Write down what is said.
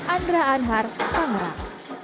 andra anhar pangeran